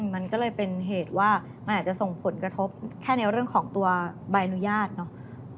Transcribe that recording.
มันก็เลยเป็นเหตุว่ามันอาจจะส่งผลกระทบแค่ในเรื่องของตัวใบอนุญาตเนอะ